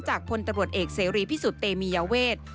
พลตำรวจเอกเสรีพิสุทธิ์เตมียเวท